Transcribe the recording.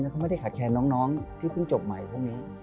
แล้วเขาไม่ได้ขาดแขนน้องที่ต้องจบใหม่พวกนี้